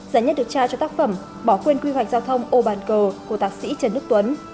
giải nhất được trao cho tác phẩm bỏ quên quy hoạch giao thông ô bàn cờ của thạc sĩ trần đức tuấn